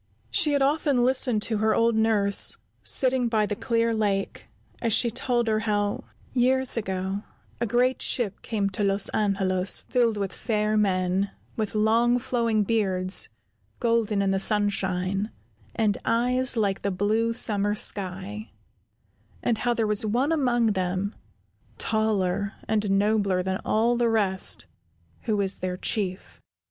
She had often listened to her old nurse, sitting by the clear lake, as she told her how, years ago, a great ship came to Los Angelos filled with fair men, with long flowing beards, golden in the sunshine, and eyes like the blue summer sky, and how there was one among them, taller and nobler than all the rest, who was their Chief.